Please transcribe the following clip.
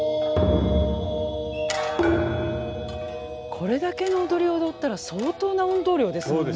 これだけの踊りを踊ったら相当な運動量ですもんね。